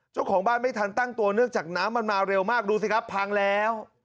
เจ้าของบ้านไม่ทันตั้งตัวเนื่องจากน้ำมันมาเร็วมากดูสิครับพังแล้ว